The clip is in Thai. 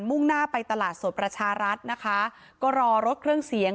มุ่งหน้าไปตลาดสวทประชารัฐรอรถเครื่องเสียง